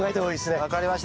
分かりました。